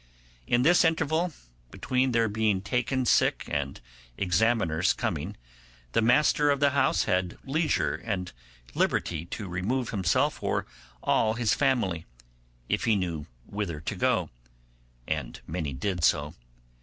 In this interval, between their being taken sick and the examiners coming, the master of the house had leisure and liberty to remove himself or all his family, if he knew whither to go, and many did so.